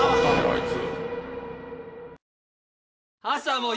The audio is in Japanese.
あいつ。